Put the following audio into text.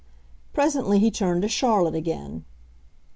Presently he turned to Charlotte again.